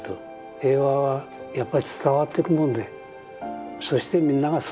平和はやっぱり伝わってくもんでそしてみんなが育てていくもんだ。